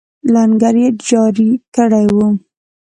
لنګر یې جاري کړی وو.